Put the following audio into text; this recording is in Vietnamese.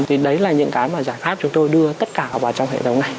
thì đấy là những cái mà giải pháp chúng tôi đưa tất cả vào trong hệ thống này